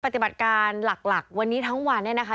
ปฏิบัติการหลักวันนี้ทั้งวันเนี่ยนะคะ